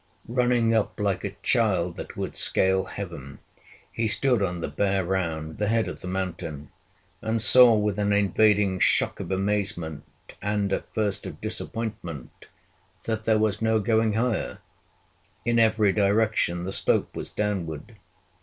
Running up like a child that would scale heaven, he stood on the bare round, the head of the mountain, and saw, with an invading shock of amazement, and at first of disappointment, that there was no going higher: in every direction the slope was downward.